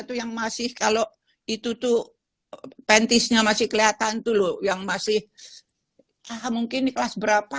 itu yang masih kalau itu tuh pantiesnya masih kelihatan dulu yang masih ah mungkin di kelas berapa